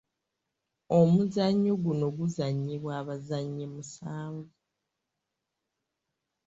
Omuzannyo guno guzannyibwa abazannyi musanvu.